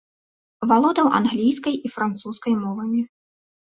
Валодаў англійскай і французскай мовамі.